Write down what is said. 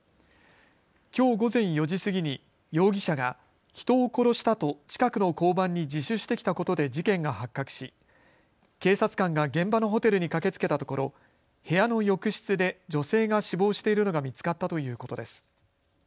きょう午前４時過ぎに容疑者が人を殺したと近くの交番に自首してきたことで事件が発覚し警察官が現場のホテルに駆けつけたところ部屋の浴室で女性が死亡しているのが見つかったということです。